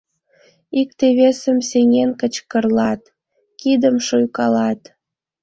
Икте-весым сеҥен кычкырлат, кидым шуйкалат: